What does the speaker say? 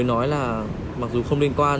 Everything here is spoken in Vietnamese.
mình mới nói là mặc dù không liên quan